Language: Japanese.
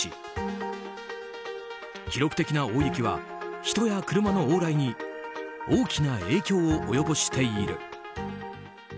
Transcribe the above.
記録的な大雪は人や車の往来に大きな影響を及ぼしている。